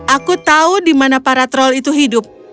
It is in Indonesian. aku tahu di mana para troll itu hidup